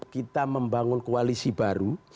kita membangun koalisi baru